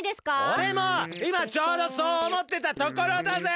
おれもいまちょうどそうおもってたところだぜ！